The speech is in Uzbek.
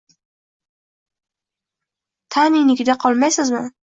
Taninikida qolmaysizmi